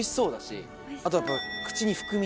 あとはやっぱ。